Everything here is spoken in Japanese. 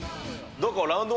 どこ？